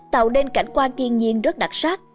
tạo nên cảnh quan kiên nhiên rất đặc sắc